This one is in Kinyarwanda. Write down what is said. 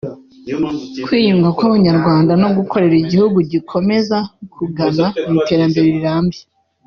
kwiyunga kw’Abanyarwanda no gukorera igihugu gikomeza kugana mu iterambere rirambye